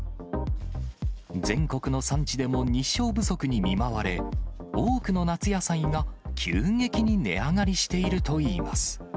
全国の産地でも日照不足に見舞われ、多くの夏野菜が急激に値上がりしているといいます。